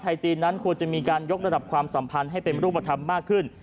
จีนนั้นควรจะมีการยกระดับความสัมพันธ์ให้เป็นรูปธรรมมากขึ้น